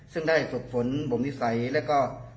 ซึ่งได้สุดฝนบมนิสัยและก็